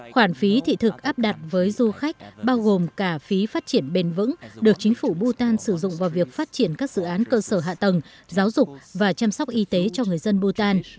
khoản phí thị thực áp đặt với du khách bao gồm cả phí phát triển bền vững được chính phủ bhutan sử dụng vào việc phát triển các dự án cơ sở hạ tầng giáo dục và chăm sóc y tế cho người dân bhutan